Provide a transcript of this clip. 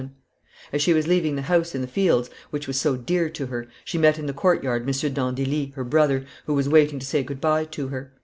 ] As she was leaving the house in the fields, which was so dear to her, she met in the court yard M. d'Andilly, her brother, who was waiting to say good by to her.